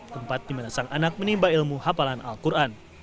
tempat dimana sang anak menimba ilmu hafalan al quran